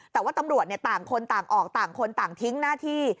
แต่ว่าตำรวจต่างคนต่างออกต่างคนต่างทิ้งหน้าที่